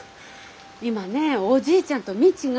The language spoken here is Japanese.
今ねおじいちゃんと未知が。